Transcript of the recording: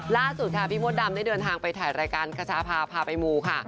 ล่าสุดค่ะพี่มดดำได้เดินทางไปถ่ายรายการขชาพาพาไปมูค่ะ